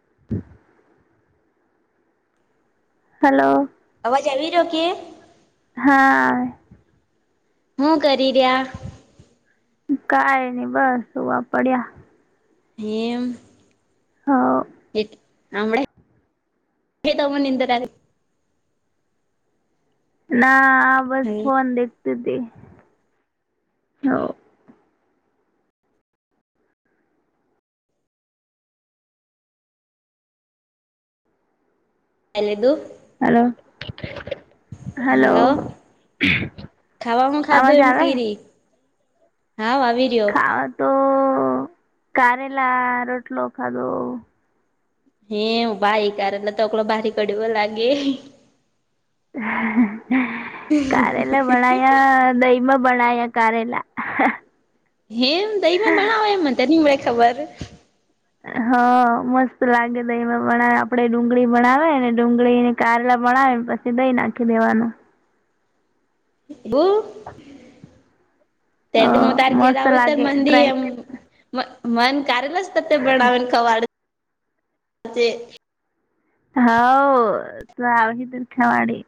[unintelligible] Hello. અવાજ આવી રહ્યો કે. હા-હા-આ. હું કરી રહ્યા કઈ નઈ બસ હુવા પડ્યા એમ હા-ઓ એટ -હમણા-આ- તમને -નિંદર [unintelligible] [inaudible] ના-આ- બસ આવી ફોન દેખતી હતી-હો-હો. એલદુ હલો હલો ખાવામાં અવાજ -આવે-હે [unintelligible] [inaudible] હા- આવી [unintelligible] [inaudible] ખાવા તો -કારે લા -રોટલો ખા ધો [unintelligible] [inaudible] હે ભાઈ કારલો તો એટ તોકલો ભારી કડવો લાગે હ-હ-હ- હા-દહી માં બણયા કારેલા હેમ -દહીમાં ભણાવે એ મને તે ની વડે ખબર હા મસ્ત લાગે દહીં માં ભણાવે આપડે ડુંગળી ભણાવે ને ડુંગળી ને કારેલા ભણાવ પછી દહીં નાખી દેવાનું બું તે અ ત હું તારે ઘેર મસ્ત આવુ હુ તો લાગે મંદિ એ મ ટ્રાય મ મન કરેલા જ ત તે બનાવેલ કવાડે હા-ઓ- તો આવી [unintelligible] ખાવાડી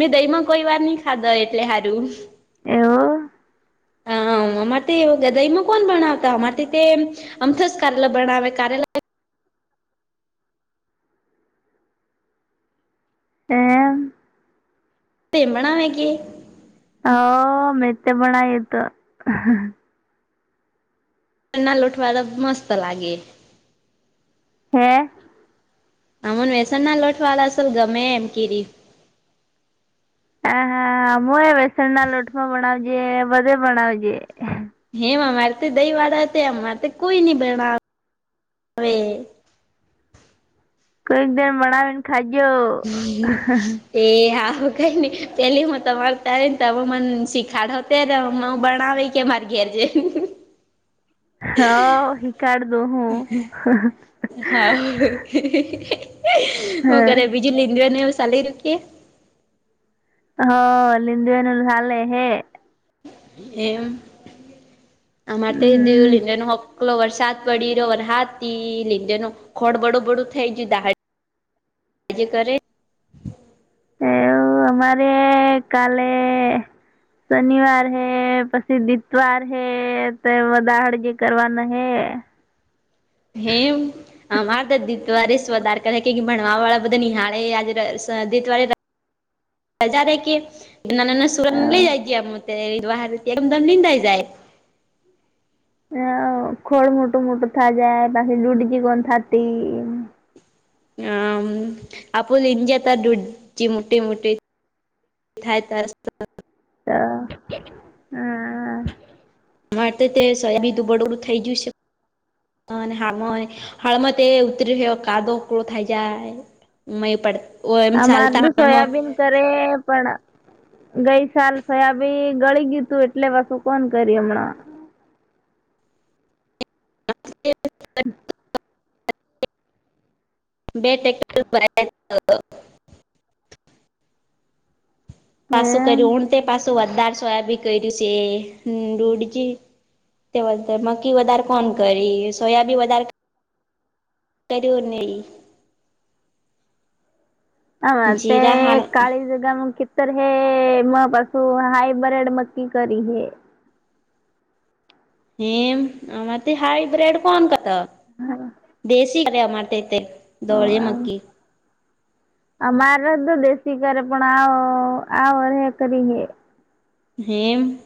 મેં દહી માં કોઈ વાર નહી ખાધા એટલે સારું એવું અમારે એ દહીંમાં કોણ બણાવતા અમારે તે અ મ થસ કરેલા ભણાવ કરેલા એમ તે-ભણા વે કિય અ-હ -મે તે ભણાવે તો ના લ ઉઠવા [unintelligible] તો મસ્ત લાગે હે અમન વ્યસનના લોટવાલા અસલ ગમે એમ કીરી આ- હા હ એ બેસણ ના લોટમાં ભણાવજે બધે ભણાવજે હેમ અમારે તો દઈ વાળા હતા અમારે કોઈ નઈ ભણાવે હવે કઈક દીન બળાવે ખાજો હમ એ હું કઈ નઈ પેલી તમાર તારી ને તમે મને શીખાડો ત્યારે હ હું બનાાવ માર્ગીરજે હા શિકાડ દુ હું હા હું ક બીજું લીડને એ સાલી રૂકીએ હ લિન્ંદુ એનુંલહ લે હે એમ હ માતાાયીવ હમ લન્ેનું હક પલો વરસાદ પડી રહ્યો વરસાદ થી લીધે ન ખોળ બડું બડું થઈ ગયું દા એજ કર એવ અમારે એ કાલે શનિવાર હે પછી દિતવાર હે તો એ દાહડ જે કરવાના હે [inaudible] હેમ માદ દી ત અ ર સવ દાર કે ભણવા વાળા બધા નિહાળે આ દત વાળ સજા રાે કે ના નાના સુરન લઇ જાય જમમ નીંદા જાય ખોળ મોટું મોટું થા જાય પાછી લુડીજી કોન થાતી હ આપપો નિંજેતા દુડ મુટીી મુટીી દ થાય તસ્ હા મારે તે સાહે બી દુંબળડું થઈ ગયું છે હામાં હળમાં તે ઉતરીયો કાદો કળો થાય જાય મ પડ એમ આ મારું ચાલતા એમાં સોયાબીન કરે પણ ગઈ સાલ સયાબી ગળી ગય તું એટલે બસું કોણ કરી હમણાં બે પાછું હમ કર્યું હું તે પાછું વધારે સોયાબી કર્યું છે દૂઢજી મકીી વધારે કોણ કરી સોયા બી વધારે કરીરનેય હ તે જીરા હાણ કાળી જગા મ તો હ મ પાસું હાયબ્રિડ મક્કી કરી હે હિમ આમાં હાઈબ્ર્રેડ કોણ કતો હા દેશી કલિયા માટતે દોળ મકી અ મારે તો દેશી કરે પણ આવો આવો રે કરીે હેમ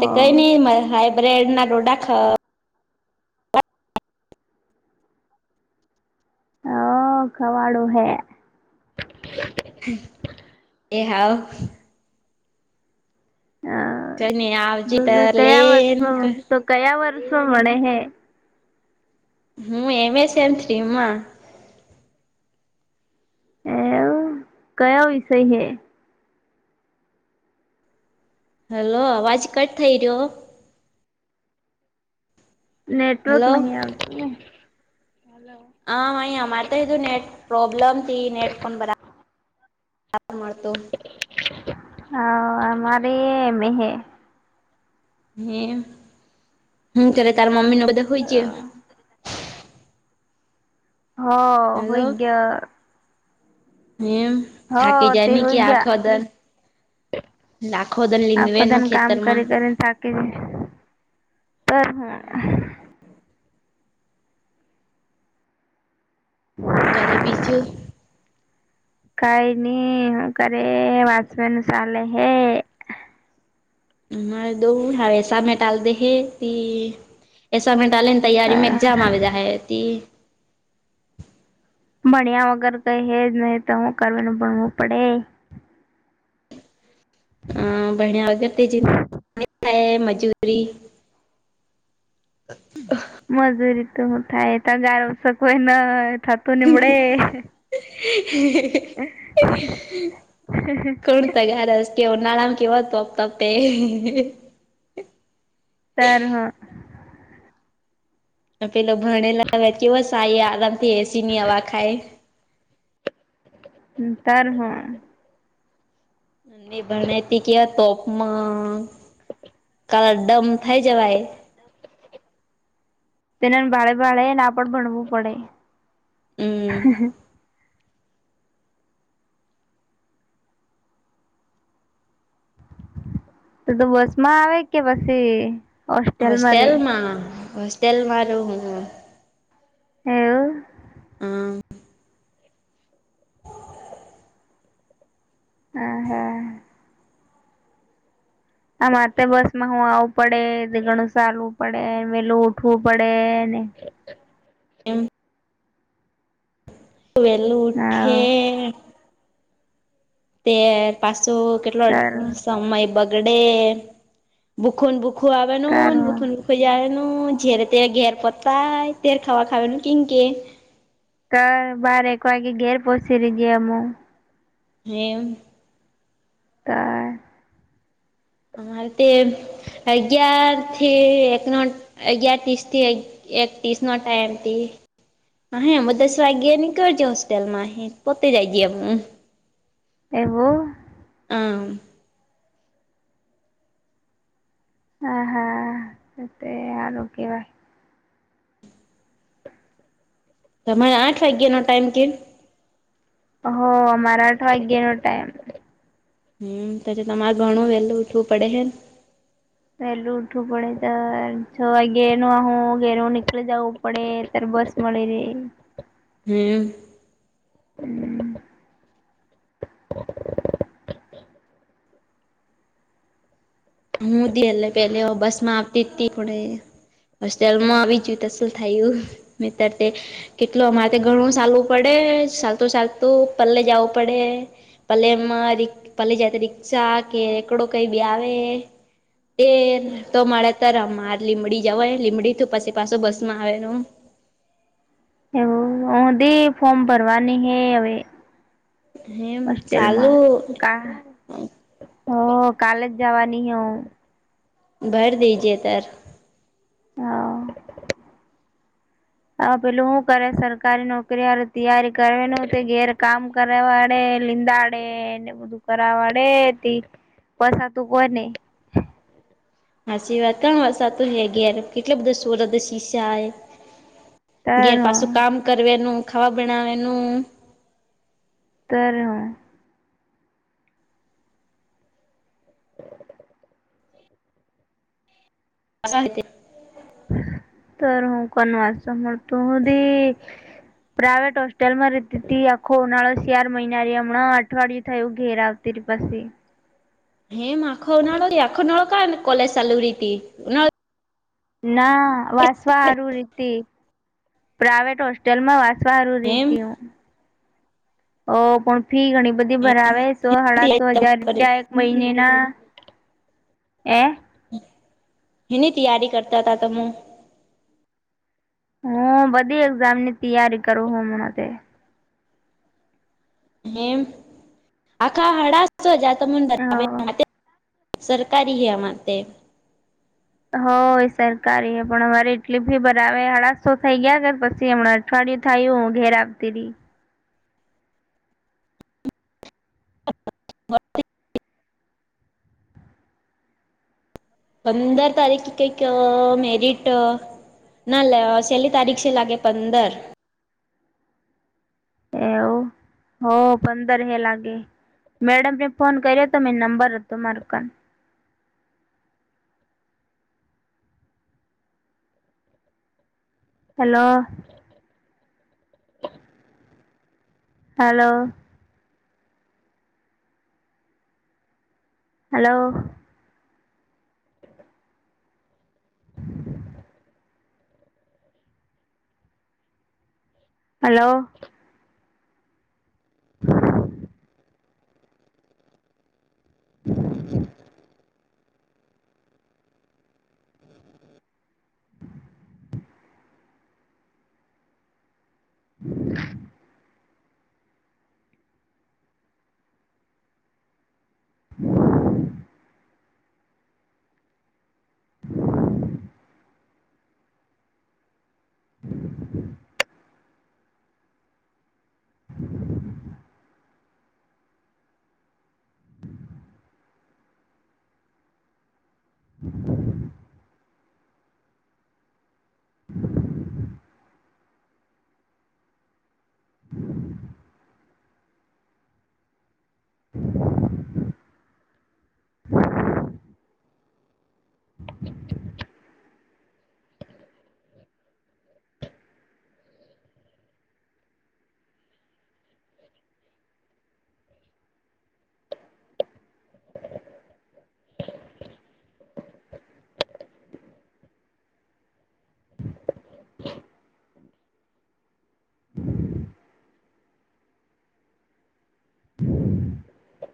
તે કઈ નહીિ હાઈબ્રેડ ના ડોડા ખા હ ખવાડો હૈ એ હા હા કઈ નઈ આવજે બધા તાર કયા લેન વર્ષમાં તો કયા વર્ષમાં મળે હે હમ એમ સેંત ર્રી અમા એવું કયો વિષય હે હલો અવાજ કટ થઈ રહ્યો નેટવર્ક હલો નહીં આવતી હ માાઈ અમારે તોઈું નનેટ પ્રોબ્મ તથી નનેટક બરા આાર મળતો. હ આમાર એ મેહ. હમ હું ત્યારે તાર મમ્મી ન બધા હોય છે. હ હ હોય ગય. હમ હો થાકી તે જાય ને કે હોઈ આખ ગયા દર. લાખો દલ્ંદવેનું ખેતર માં. પર આહા. વ. ઘરે બીજું. કઈ ની હું કર વાંચવાનું ચાલે હે. દઉ હ એસામેટાાલ દેહે તી એસામેટાલે. તૈયારીમાં એક્ઝામ આવે જાહે તી. ભણ્યા વગર કઈ હેજ નહી તો હું કરવાનું ભણવું પડે. હા બણ્યા વગર તે મજૂરી. બહ. મજૂરી તો હું થાય તગારુ ઉચકવું થતું નીમડે. હીહી કોણ તૈયાર. ઉનાળામાં કેવા તપતપે. તાર હ. પેલો ભણેલા કેવો સાઈ આરામથી એસીની હવા ખાય. હ તાર હ. નની ભણતી કેવાય તોપમાં કાળા ડમ થઇ જવાય. તેના ભાળે ભાળે નાપડ ભણવું પડે. હમ હહ. તુ તો બસ માં આવે કે પછી. હોસ્ટેલમાં હોસ્ટેલમા રહું હું. એવુ. હા. હમ હા. આ મારે તો બસ માં હું આવું પડે ઘણું ચાલવું પડે વેલું ઉઠવું પડે ને. હ. એમ. વેલુ ઉઠે. હ તે પાછો કેટલો તાર સમય બગડે ભૂકન બૂક. આવવાનું તાર ને ભૂકૂ બુકુ. ખઈ જાય ન ઝેરે તરે ઘેર પતાાય તેર ખાવા ખાવ ન કનકે. તો બાર એક વાગે ઘેર પોહચી રજ અમું. હમ. તા. અરે તે અગિયારથી એકનો. અગિયાર ત્રીસ થી એક તીસનો ટાઈમ તી. અહીં અમે દસ વાગ્યે નીકળજો હોસ્ટેલમાં હે પોતે જાય છે હું. એવું. આમ. હા હા એ તે સારું કહેવાય. તમારે આઠ વાગ્યા નો ટાઈમ કેમ. હ અમારા આઠ વાગ્યાનો ટાઈમ. હમ ત તો મારે ઘણું વેલું ઉઠવું પડે હે ને. પેલું ઉઊઠવું પડે ત છ વાગે ન હું ઘેનું નીકળી જઉં. પડે તર બસ મળી રે. હે હમ્મ. હું દી એટલે પેલે બસમાં આવતી જ તી પણ એ હોસ્ટેલમાં આવી ગયું તો શું થયું મિત્ર તે કેટલુ અમારે ઘણું સાલવું પડે ચાલતું ચાલતું પલ્લે જાવું પડે. પલેમાં રિક પલે જ રિક્ષા કે એકડો કઈ બી આવે. એ તો મારે તાર માર લીંમડી જવા લીંબડી પછી પાછું બસ માં આવે રો એવું હ દે ફોર્મ ભરવાની હે હવે એમ હોસ્ટેલમાં સાલું કામ હ કાલે જ જવાની હું. ભાર દેજીએ તાર હા. આ પેલું શું કરે સરકારી નોકરી વાળ તૈયારી કરે નુ તે ઘેર કામ કર વાડે લીંદાડે એને બધું કરાવ વાડે તે પોસાતું હોય ને હ સી વાત કણ વા સાતું છે ઘેર કેટલા બધા સોલ સીશાએ તાર ઘેર હું પાછું કામ કરનું ખાવા બનાવેનું ત્યારે હા [inaudible] [unintelligible] તો હું કોનવા મ તું- પ્રાઇવેટ હોસ્ટેલ માં રેતી હતી આખો ઉનાળો શાર મહિનારી હમણાં અઠવાડિયું થયું ઘેર આવ [unintelligible] હેમ આખો ઉનાળો આખો ઉનાળો કા કોલેજ ચાલુ રહી તી ઉનાળ ના વાસવા સારું રીતે પ્રઇવેટ હોસ્ટેલ માં સારું હેમ રીતી ઓ પણ અ ફી ઘણી બધી ભરાવે સો સાડા સો હજાર રૂપિયા એક મહિનેના એ એની તૈયારી કરતા હતા તમે હા બધી એક્ઝામની તૈયારી કરું હું હમણાં તે હમ્મ આખા હાડા જ [unintelligible] હ સરકારી હે આમા તે હોય સરકારી હ પણ અમારે એટલી ભી બરાવે હાલાસો થઈ ગયા કે પછી હમણાં ફડી થયું હું ઘેર આવતી રી [unintelligible] પંદર તારીખ કંઈક મેરિટ અ નલ લેવા છેલ્લી તારીખ છે લાગે પંદર એવું હ પંદરમી એ લાગે. મેડમ ને ફોન કર્યો હતો એ નંબર હતો મારું કામ હલો. હલો. હલો. હલો. [unintelligible] [inaudible] [inaudible]